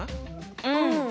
うん。